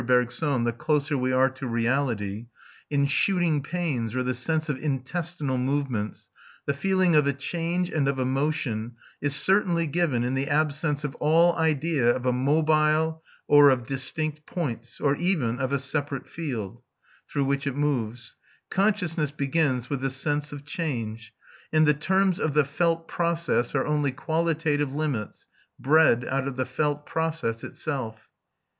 Bergson, the closer we are to reality), in shooting pains or the sense of intestinal movements, the feeling of a change and of a motion is certainly given in the absence of all idea of a mobile or of distinct points (or even of a separate field) through which it moves; consciousness begins with the sense of change, and the terms of the felt process are only qualitative limits, bred out of the felt process itself.